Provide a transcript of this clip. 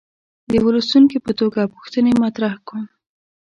د یوه لوستونکي په توګه پوښتنې مطرح کوم.